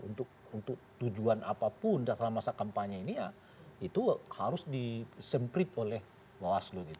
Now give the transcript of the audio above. untuk tujuan apapun dalam masa kampanye ini ya itu harus disemprit oleh bawaslu